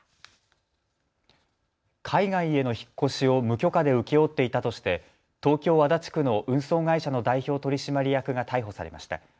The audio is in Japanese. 海外への引っ越しを無許可で請け負っていたとして東京足立区の運送会社の代表取締役が逮捕されました。